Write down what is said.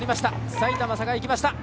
埼玉栄、いきました。